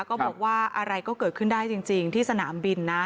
ก็บอกว่าอะไรก็เกิดขึ้นได้จริงที่สนามบินนะ